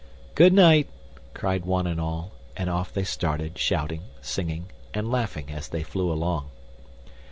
"Good night!" cried one and all, and off they started, shouting, singing, and laughing as they flew along.